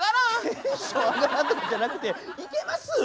「テンション上がらん」どころじゃなくていけます？